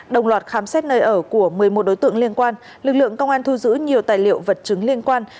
đồng loạt khám xét nơi ở của một mươi một đối tượng liên quan lực lượng công an thu giữ nhiều tài liệu vật chứng liên quan